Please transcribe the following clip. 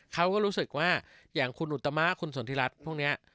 เขาก็รู้สึกว่าอย่างคุณอุตมะคุณสนทิรัฐพวกนี้